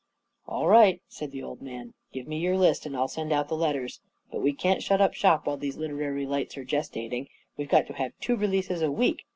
1 " All right," said the old man. iC Give me your list, and I'll send out the letters. But we can't shut up shop while these literary lights are gestating. We've got to have two releases a week